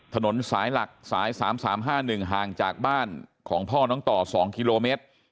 ถนนสายหลักสาย๓๓๕๑ห่างจากบ้านของพ่อน้องต่อ๒กิโลเมตร